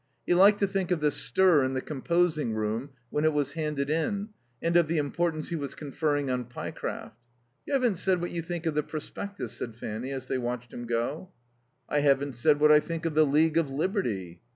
He liked to think of the stir in the composing room when it was handed in, and of the importance he was conferring on Pyecraft. "You haven't said what you think of the prospectus," said Fanny, as they watched him go. "I haven't said what I think of the League of Liberty."